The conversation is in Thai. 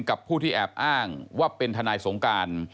กับผู้ที่แอบอ้างว่าเป็นทนายสงการ